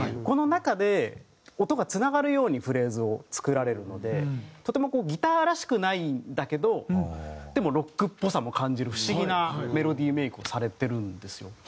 この中で音がつながるようにフレーズを作られるのでとてもこうギターらしくないんだけどでもロックっぽさも感じる不思議なメロディーメイクをされてるんですよ。